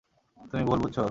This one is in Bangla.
তুমি ভুল বুঝছ?